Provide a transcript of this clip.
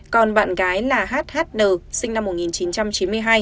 còn bạn gái là h h n sinh năm một nghìn chín trăm chín mươi hai